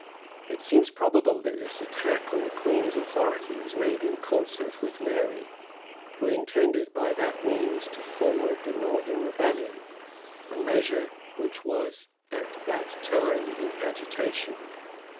It seems probable that this attack on the queen's authority was made in concert with Mary, who intended by that means to forward the northern rebellion; a measure which was at that time in agitation.